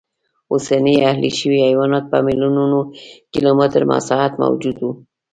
اوسني اهلي شوي حیوانات په میلیونونو کیلومترو مساحت موجود و